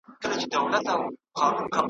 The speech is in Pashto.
چي له پرهار څخه مي ستړی مسیحا ووینم .